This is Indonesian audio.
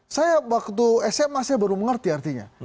saya waktu sma saya baru mengerti artinya